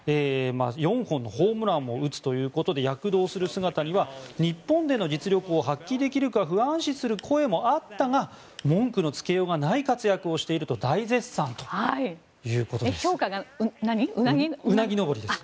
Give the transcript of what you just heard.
４本のホームランを打つということで躍動する姿には日本での実力を発揮できるか不安視する声もあったが文句の付けどころがない活躍をしていると大絶賛ということです。